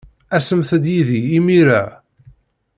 Asemt-d yid-i imir-a.